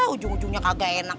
ujung ujungnya kagak enak